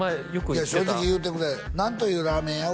いや正直言うてくれ何というラーメン屋？